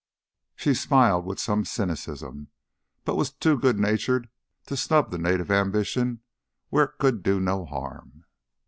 She smiled with some cynicism, but was too good natured to snub the native ambition where it could do no harm.